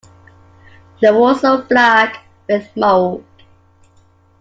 The walls were black with mould.